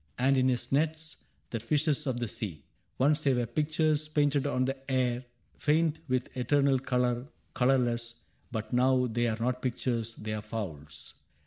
And in his nets the fishes of the sea.') Once they were pictures, painted on the air, Faint with eternal color, colorless, — But now they are not pictures, they are fowls.